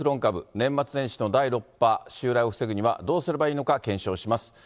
年末年始の第６波襲来を防ぐにはどうすればいいのか、検証します。